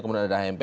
kemudian ada hmp